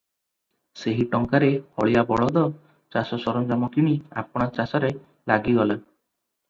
ସେହି ଟଙ୍କାରେ ହଳିଆ ବଳଦ, ଚାଷ ସରଞ୍ଜାମ କିଣି ଆପଣା ଚାଷରେ ଲାଗିଗଲା ।